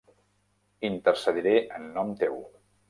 Intercediré en nom teu.